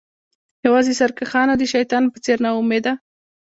یوازې سرکښان او د شیطان په څیر ناامیده